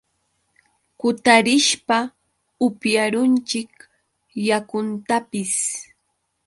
kutarishpa upyarunchik yakuntapis.